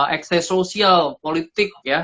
ekse sosial politik ya